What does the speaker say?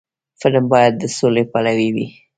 فلم باید د سولې پلوي وي